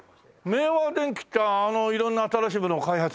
明和電機って色んな新しいものを開発する？